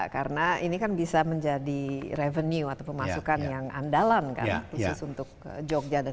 karena ini kan bisa menjadi revenue atau pemasukan yang andalan kan khusus untuk jogja dan daerah sekitarnya